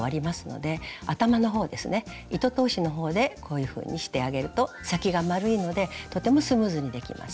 糸通しのほうでこういうふうにしてあげると先が丸いのでとてもスムーズにできます。